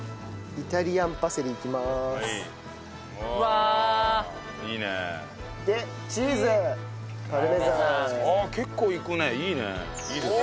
イタリアンパセリいいですね。